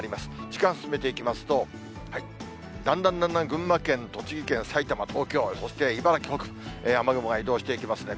時間進めていきますと、だんだんだんだん群馬県、栃木県、埼玉、東京、そして茨城北部、雨雲が移動していきますね。